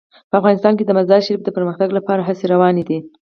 په افغانستان کې د مزارشریف د پرمختګ لپاره هڅې روانې دي.